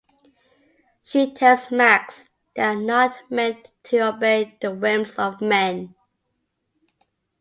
She tells Max they are not meant to obey the whims of men.